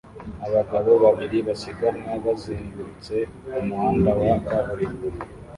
Abagabo babiri basiganwa bazengurutse umuhanda wa kaburimbo